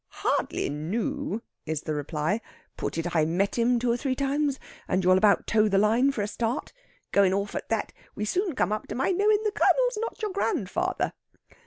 "Hardly knoo," is the reply. "Put it I met him two or three times, and you'll about toe the line for a start. Goin' off at that, we soon come up to my knowin' the Colonel's not your grandfather."